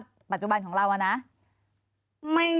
เจ้าหน้าที่แรงงานของไต้หวันบอก